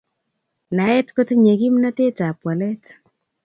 Naet kotinye kimnatet ab walet